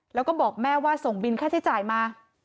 แล้วก็บอกแม่ว่าส่งบินค่าใช้จ่ายมา